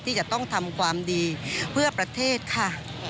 ที่จะต้องทำความดีเพื่อประเทศค่ะ